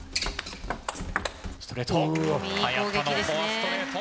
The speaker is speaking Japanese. ストレート。